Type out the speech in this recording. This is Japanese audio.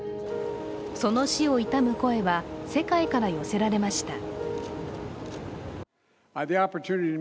その死を悼む声は世界から寄せられました。